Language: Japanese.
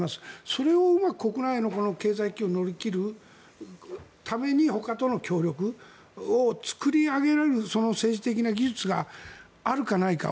それをうまく国内の経済危機を乗り切るためにほかとの協力を作り上げられるその政治的な技術があるかないか。